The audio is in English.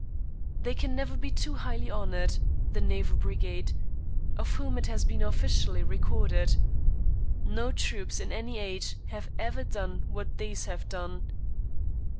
They can never be too highly honoured, the Naval Brigade, of whom it has been officially recorded: "No troops in any age have ever done what these have done."